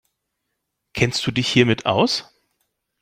Kennst du dich hiermit aus?